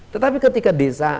tetapi ketika desa